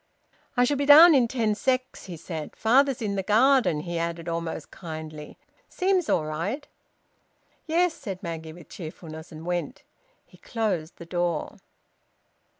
"I shall be down in ten secs," said he. "Father's in the garden," he added, almost kindly. "Seems all right." "Yes," said Maggie, with cheerfulness, and went. He closed the door.